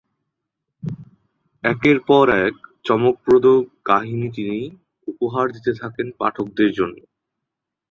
একের পর এক চমকপ্রদ কাহিনী তিনি উপহার দিতে থাকেন পাঠকদের জন্য।